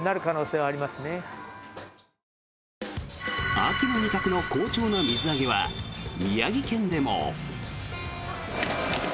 秋の味覚の好調な水揚げは宮城県でも。